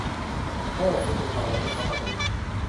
โอ้คุณจะทำอะไรเมื่อเขามาถึง